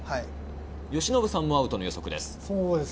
由伸さんもアウトです。